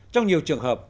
trong nhiều trường hợp